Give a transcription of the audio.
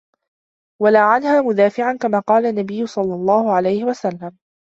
وَلَا عَنْهَا مُدَافِعًا كَمَا قَالَ النَّبِيُّ صَلَّى اللَّهُ عَلَيْهِ وَسَلَّمَ